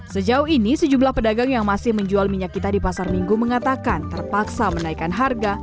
sejauh ini sejumlah pedagang yang masih menjual minyak kita di pasar minggu mengatakan terpaksa menaikkan harga